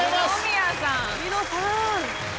ニノさん。